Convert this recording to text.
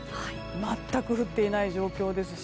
全く降っていない状況ですし。